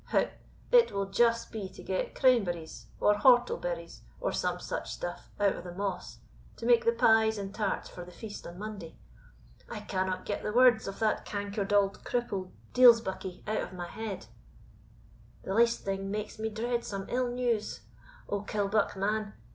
Hout, it will just be to get crane berries, or whortle berries, or some such stuff, out of the moss, to make the pies and tarts for the feast on Monday. I cannot get the words of that cankered auld cripple deil's buckie out o' my head the least thing makes me dread some ill news. O, Killbuck, man!